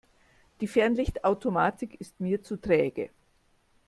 Die Fernlichtautomatik ist mir zu träge.